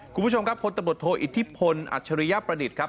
คุณผู้ชมครับพลตำรวจโทอิทธิพลอัจฉริยประดิษฐ์ครับ